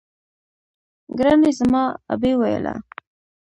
ګراني زما ابۍ ويله